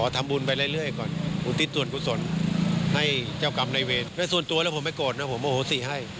แต่ส่วนตัวแล้วผมไม่โกรธเนอะผมโอ้โหสิให้